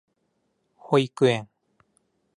保育園